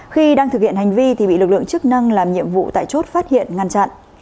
khi đang thực hiện hành vi thì bị lực lượng chức năng làm nhiệm vụ tại chốt phát hiện ngăn chặn